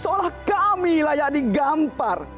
seolah kami layak digampar